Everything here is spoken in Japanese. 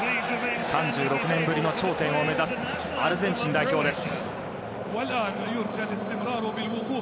３６年ぶりの頂点を目指すアルゼンチン代表です。